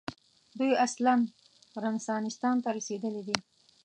دوی اصلاً رنسانستان ته رسېدلي دي.